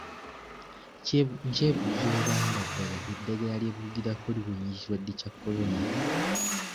Nkyebuuza oba nga ddala eddagala lye boogerako liwonya ekirwadde kya Corona.